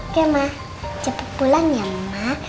oke ma cepet pulang ya ma